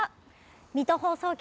水戸放送局